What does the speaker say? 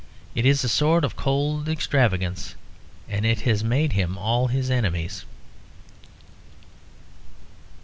It is a sort of cold extravagance; and it has made him all his enemies.